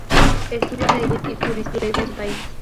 Estudió Leyes y Jurisprudencia en su país.